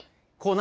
何